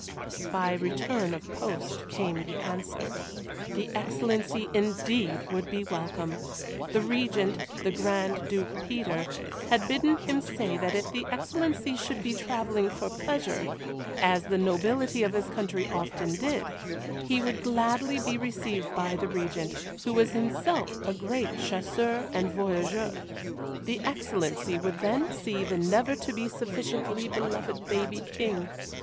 By return of post came the answer. The Excellency indeed would be welcome. The Regent the Grand Duke Peter had bidden him say that if the Excellency should be travelling for pleasure, as the nobility of his country often did, he would gladly be received by the Regent, who was himself a great chasseur and voyageur. The Excellency would then see the never to be sufficiently beloved baby King.